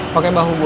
pakai bahu gue